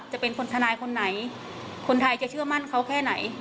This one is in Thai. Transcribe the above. จะเป็นคนทนายคนไหนคนไทยจะเชื่อมั่นเขาแค่ไหน